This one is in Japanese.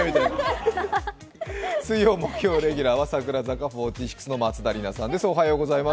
水曜、木曜レギュラーは櫻坂４６の松田里奈さんです。